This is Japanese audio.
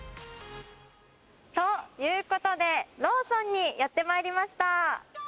ということでローソンにやってまいりました。